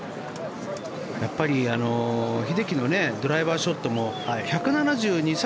やっぱり英樹のドライバーショットも１７２１７３